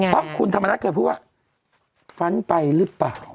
เพราะคุณธรรมนัฐเคยพูดว่าฟันไปหรือเปล่า